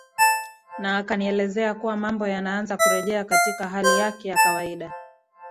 na akanieleza kuwa mambo yanaanza kurejea katika hali yake ya kawaida